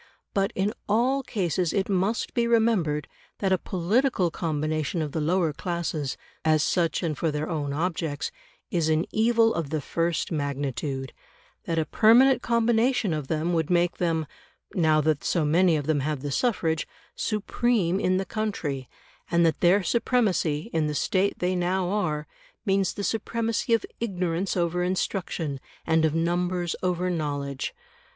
But in all cases it must be remembered that a political combination of the lower classes, as such and for their own objects, is an evil of the first magnitude; that a permanent combination of them would make them (now that so many of them have the suffrage) supreme in the country; and that their supremacy, in the state they now are, means the supremacy of ignorance over instruction and of numbers over knowledge.